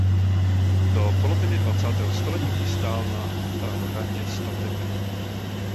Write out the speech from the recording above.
Do poloviny dvacátého století stál na hradě statek.